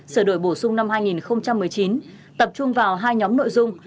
sửa đổi bổ sung năm hai nghìn một mươi chín tập trung vào hai nhóm nội dung